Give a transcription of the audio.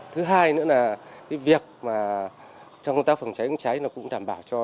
thứ hai nữa là cái việc mà trong công tác phòng cháy chữa cháy